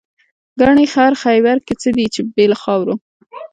ګنې خړ خیبر کې څه دي بې له خاورو.